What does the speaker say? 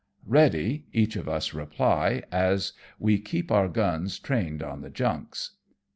" Ready," each of us reply, as we keep our guns trained on the junks.